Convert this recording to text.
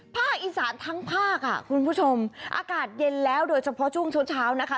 ภาคอีสานทั้งภาคอ่ะคุณผู้ชมอากาศเย็นแล้วโดยเฉพาะช่วงเช้าเช้านะคะ